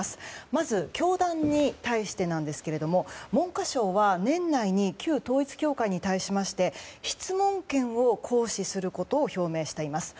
まず、教団に対してですが文科省は年内に旧統一教会に対しまして質問権を行使することを表明しています。